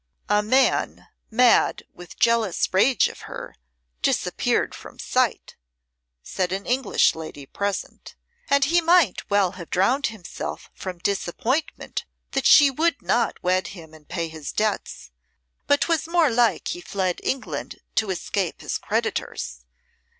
"A man, mad with jealous rage of her, disappeared from sight," said an English lady present. "And he might well have drowned himself from disappointment that she would not wed him and pay his debts; but 'twas more like he fled England to escape his creditors.